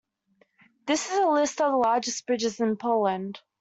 This is a list of largest bridges in Poland.